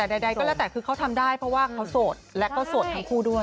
แต่ใดก็แล้วแต่คือเขาทำได้เพราะว่าเขาโสดและก็โสดทั้งคู่ด้วย